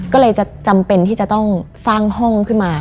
ก็เลยจะจำเป็นที่จะต้องสร้างห้องขึ้นมา